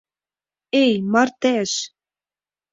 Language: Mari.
Эй, мардеж